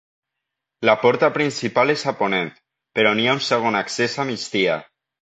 La porta principal és a ponent, però n'hi ha un segon accés a migdia.